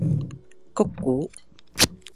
唂咕